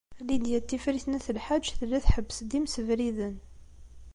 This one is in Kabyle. Lidya n Tifrit n At Lḥaǧ tella tḥebbes-d imsebriden.